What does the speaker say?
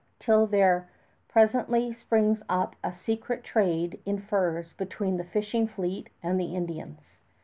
.; till there presently springs up a secret trade in furs between the fishing fleet and the Indians.